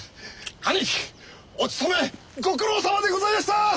兄貴おつとめご苦労さまでございやした！